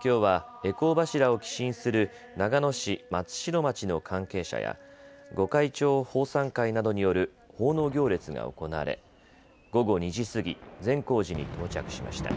きょうは回向柱を寄進する長野市松代町の関係者や御開帳奉賛会などによる奉納行列が行われ午後２時過ぎ善光寺に到着しました。